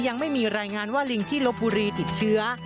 ยังไม่มีรายงานว่าลิงที่ลบบุรีติดเชื้อ